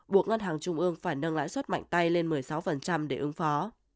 buộc ngân hàng trung ương phải nâng lãi suất mạnh tay lên một mươi sáu để ứng phó